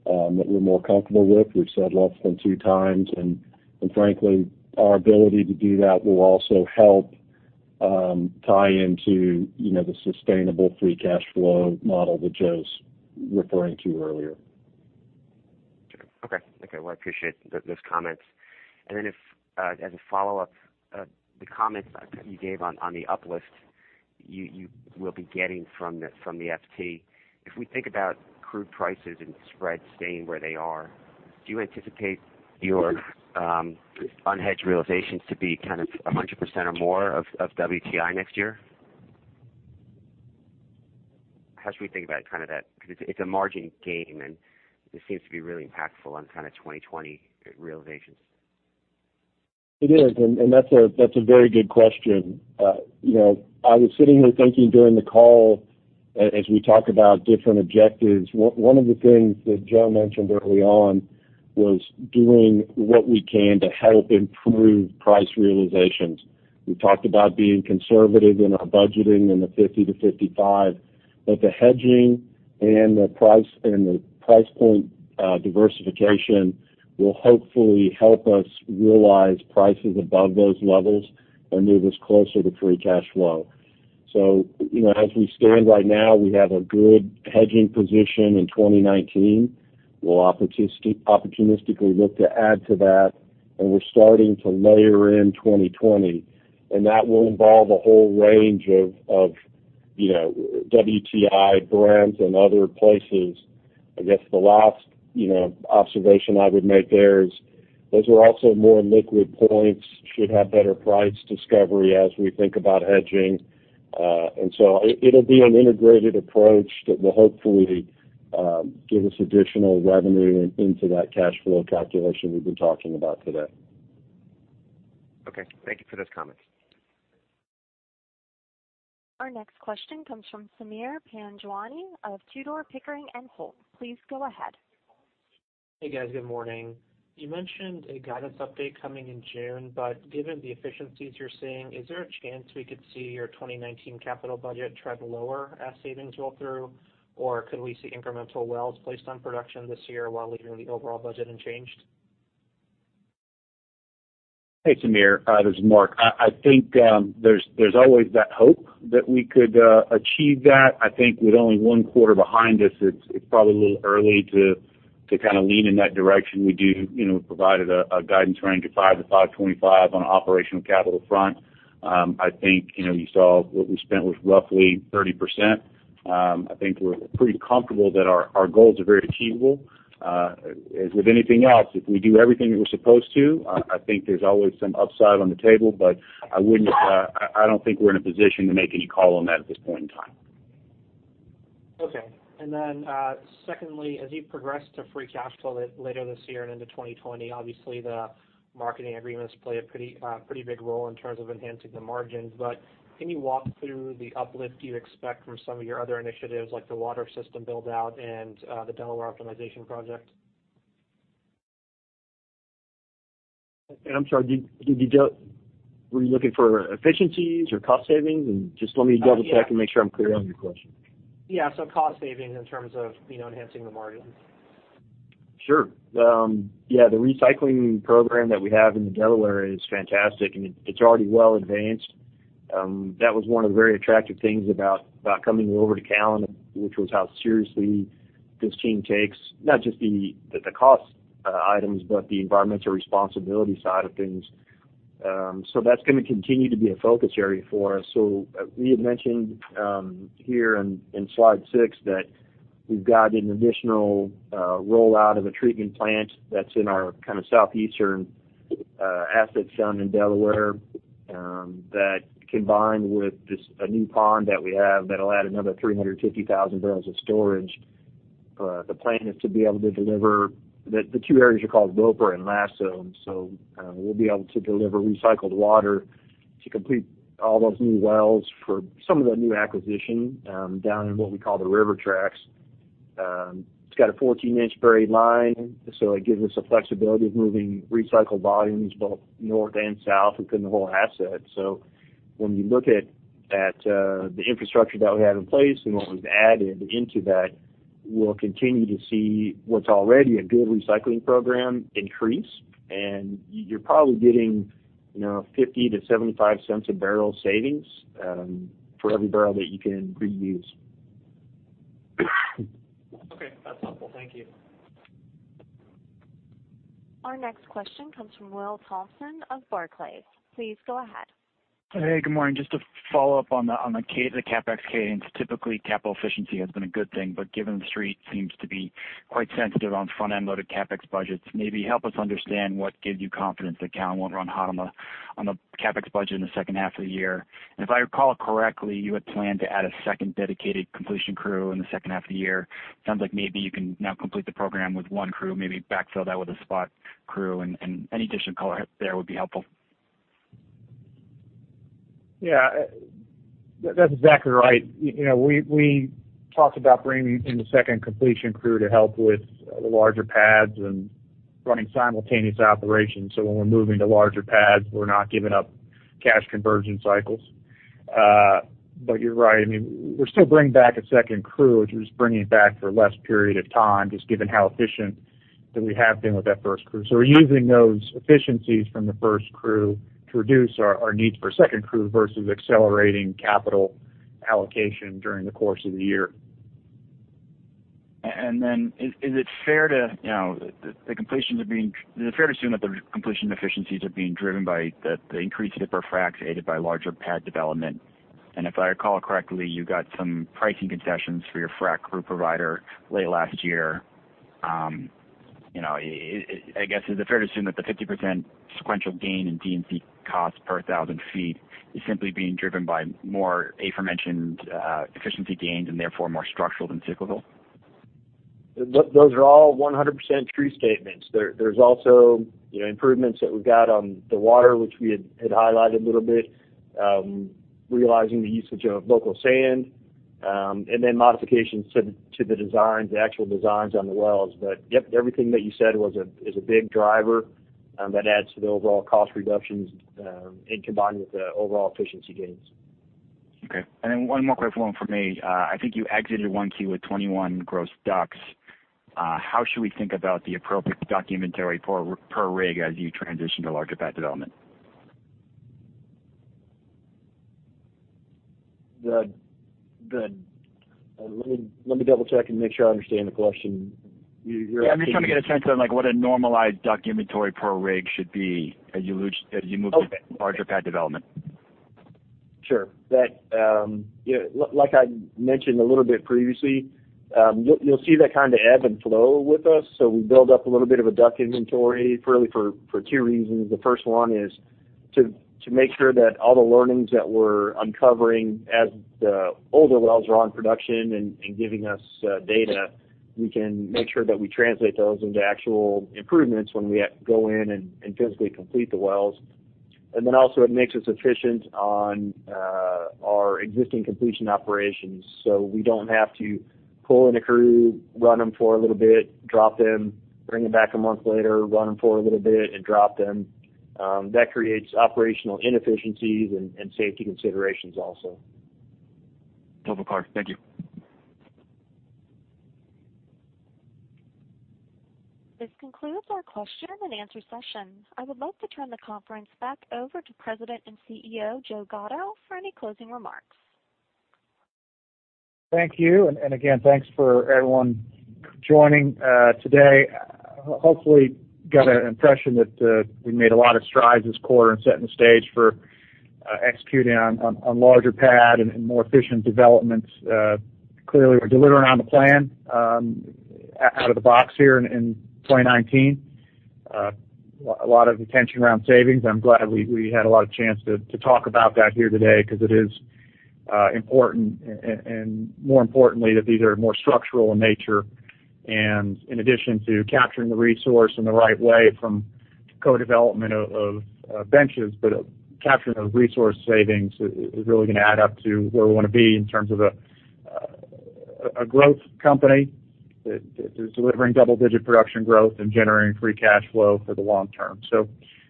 that we're more comfortable with? We've said less than two times, frankly, our ability to do that will also help tie into the sustainable free cash flow model that Joe's referring to earlier.
Sure. Okay. Well, I appreciate those comments. If, as a follow-up, the comments you gave on the uplift you will be getting from the FT. If we think about crude prices and spreads staying where they are, do you anticipate your unhedged realizations to be kind of 100% or more of WTI next year? How should we think about that? Because it's a margin game, and it seems to be really impactful on kind of 2020 realizations.
It is, that's a very good question. I was sitting here thinking during the call, as we talk about different objectives, one of the things that Joe mentioned early on was doing what we can to help improve price realizations. We talked about being conservative in our budgeting in the $50-$55, the hedging and the price point diversification will hopefully help us realize prices above those levels and move us closer to free cash flow. As we stand right now, we have a good hedging position in 2019. We'll opportunistically look to add to that, we're starting to layer in 2020, that will involve a whole range of WTI brands and other places. I guess the last observation I would make there is those are also more liquid points, should have better price discovery as we think about hedging. It'll be an integrated approach that will hopefully give us additional revenue into that cash flow calculation we've been talking about today.
Okay. Thank you for those comments.
Our next question comes from Sameer Panjwani of Tudor, Pickering, and Holt. Please go ahead.
Hey, guys. Good morning. You mentioned a guidance update coming in June, given the efficiencies you're seeing, is there a chance we could see your 2019 capital budget trend lower as savings roll through? Could we see incremental wells placed on production this year while leaving the overall budget unchanged?
Hey, Sameer. This is Mark. I think there's always that hope that we could achieve that. I think with only one quarter behind us, it's probably a little early to kind of lean in that direction. We do provide a guidance range of $5-$5.25 on the operational capital front. I think you saw what we spent was roughly 30%. I think we're pretty comfortable that our goals are very achievable. As with anything else, if we do everything that we're supposed to, I think there's always some upside on the table, I don't think we're in a position to make any call on that at this point in time.
Okay. Secondly, as you progress to free cash flow later this year and into 2020, obviously the marketing agreements play a pretty big role in terms of enhancing the margins. Can you walk through the uplift you expect from some of your other initiatives, like the water system build-out and the Delaware optimization project?
I'm sorry, were you looking for efficiencies or cost savings? Let me double-check and make sure I'm clear on your question.
Cost savings in terms of enhancing the margins.
The recycling program that we have in the Delaware is fantastic, and it's already well advanced. That was one of the very attractive things about coming over to Callon, which was how seriously this team takes not just the cost items, but the environmental responsibility side of things. That's going to continue to be a focus area for us. We had mentioned here in slide six that we've got an additional rollout of a treatment plant that's in our kind of southeastern asset zone in Delaware. That combined with a new pond that we have that'll add another 350,000 barrels of storage. The plan is to be able to deliver the two areas are called Boper and Lasso, so we'll be able to deliver recycled water to complete all those new wells for some of the new acquisition down in what we call the river tracks. It's got a 14-inch buried line, so it gives us the flexibility of moving recycled volumes both north and south within the whole asset. When you look at the infrastructure that we have in place and what we've added into that, we'll continue to see what's already a good recycling program increase, and you're probably getting $0.50-$0.75 a barrel savings for every barrel that you can reuse.
Okay. That's helpful. Thank you.
Our next question comes from William Thompson of Barclays. Please go ahead.
Hey, good morning. Just to follow up on the CapEx cadence. Typically, capital efficiency has been a good thing, but given the Street seems to be quite sensitive on front-end loaded CapEx budgets, maybe help us understand what gives you confidence that Callon won't run hot on the CapEx budget in the second half of the year. If I recall correctly, you had planned to add a second dedicated completion crew in the second half of the year. Sounds like maybe you can now complete the program with one crew, maybe backfill that with a spot crew, any additional color there would be helpful.
Yeah. That's exactly right. We talked about bringing in the second completion crew to help with the larger pads and running simultaneous operations. When we're moving to larger pads, we're not giving up cash conversion cycles. You're right. We're still bringing back a second crew, which we're just bringing back for a less period of time, just given how efficient that we have been with that first crew. We're using those efficiencies from the first crew to reduce our needs for a second crew versus accelerating capital allocation during the course of the year.
Is it fair to assume that the completion efficiencies are being driven by the increased zipper fracs aided by larger pad development? If I recall correctly, you got some pricing concessions for your frac crew provider late last year. Is it fair to assume that the 50% sequential gain in D&C cost per 1,000 feet is simply being driven by more aforementioned efficiency gains and therefore more structural than cyclical?
Those are all 100% true statements. There's also improvements that we've got on the water, which we had highlighted a little bit, realizing the usage of local sand, and modifications to the actual designs on the wells. Yep, everything that you said is a big driver that adds to the overall cost reductions in combined with the overall efficiency gains.
One more quick one from me. I think you exited 1Q with 21 gross DUCs. How should we think about the appropriate DUC inventory per rig as you transition to larger pad development?
Let me double-check and make sure I understand the question.
Yeah, I'm just trying to get a sense on what a normalized DUC inventory per rig should be as you move-
Okay
to larger pad development.
Sure. Like I mentioned a little bit previously, you'll see that kind of ebb and flow with us. We build up a little bit of a DUC inventory really for two reasons. The first one is to make sure that all the learnings that we're uncovering as the older wells are on production and giving us data, we can make sure that we translate those into actual improvements when we go in and physically complete the wells. Also it makes us efficient on our existing completion operations, so we don't have to pull in a crew, run them for a little bit, drop them, bring them back a month later, run them for a little bit, and drop them. That creates operational inefficiencies and safety considerations also.
No problem. Thank you.
This concludes our question and answer session. I would like to turn the conference back over to President and CEO, Joe Gatto, for any closing remarks.
Thank you. Again, thanks for everyone joining today. Hopefully, you got an impression that we made a lot of strides this quarter in setting the stage for executing on larger pad and more efficient developments. Clearly, we're delivering on the plan out of the box here in 2019. A lot of attention around savings. I'm glad we had a lot of chance to talk about that here today because it is important, and more importantly, that these are more structural in nature. In addition to capturing the resource in the right way from co-development of benches, but capturing those resource savings is really going to add up to where we want to be in terms of a growth company that is delivering double-digit production growth and generating free cash flow for the long term.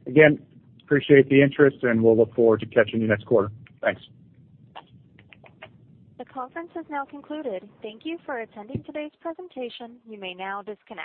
Again, appreciate the interest, and we'll look forward to catching you next quarter. Thanks.
The conference has now concluded. Thank you for attending today's presentation. You may now disconnect.